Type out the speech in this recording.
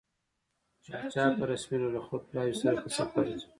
پاچا په رسمي ډول له خپل پلاوي سره په سفر ځي.